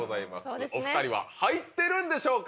お２人は入ってるんでしょうか？